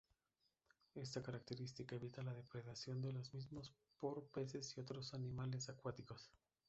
Esta característica evita la depredación de los mismos por peces y otros animales acuáticos.